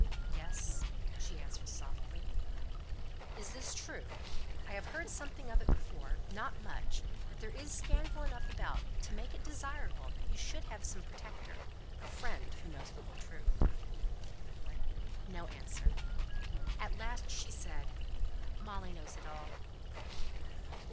"Yes!" she answered, softly. "Is this true? I had heard something of it before not much; but there is scandal enough about to make it desirable that you should have some protector some friend who knows the whole truth." No answer. At last she said, "Molly knows it all."